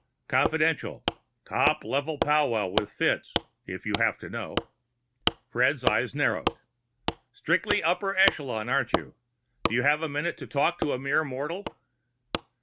"Confidential. Top level powwow with Fitz, if you have to know." Fred's eyes narrowed. "Strictly upper echelon, aren't you? Do you have a minute to talk to a mere mortal?"